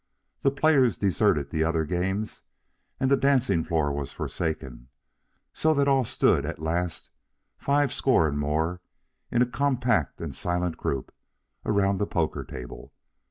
The players deserted the other games, and the dancing floor was forsaken, so that all stood at last, fivescore and more, in a compact and silent group, around the poker table.